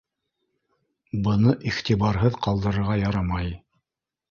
Быны иғтибарһыҙ ҡалдырырға ярамай.